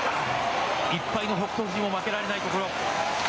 １敗の北勝富士も負けられないところ。